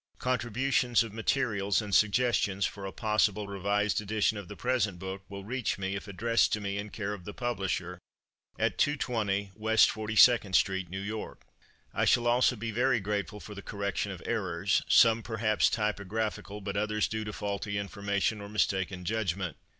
Contributions of materials and suggestions for a possible revised edition of the present book will reach me if addressed to me in care of the publisher at 220 West Forty second Street, New York. I shall also be very grateful for the correction of errors, some perhaps typographical but others due to faulty information or mistaken judgment.